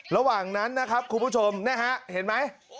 ระหว่างนั้นนะครับคุณผู้ชมนะฮะเห็นไหม